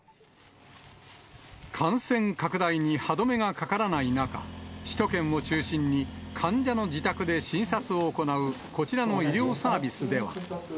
感染拡大に歯止めがかからない中、首都圏を中心に患者の自宅で診察を行うこちらの医療サービスでは。